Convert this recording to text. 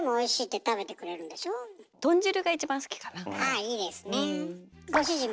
あいいですね。